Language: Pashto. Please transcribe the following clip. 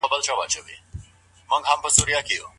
ميرمن کولای سي د بيلتون وړانديز وکړي.